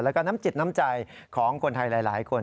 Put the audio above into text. แล้วก็น้ำจิตน้ำใจของคนไทยหลายคน